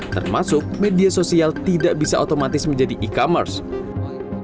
termasuk media sosial tidak bisa otomatis menjadi e commerce